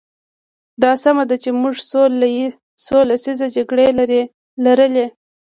دا سمه ده چې موږ څو لسیزې جګړې لرلې.